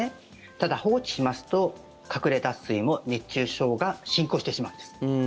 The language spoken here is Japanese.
ただ、放置しますと隠れ脱水も熱中症が進行してしまうんです。